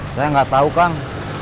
saya gak tau kang